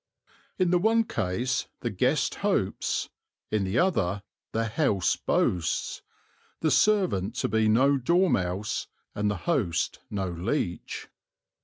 In the one case the guest hopes, in the other the house boasts, the servant to be no dormouse and the host no leech.